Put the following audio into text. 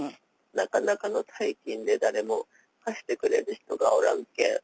なかなかの大金で誰も貸してくれる人がおらんけん。